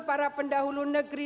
para pendahulu negeri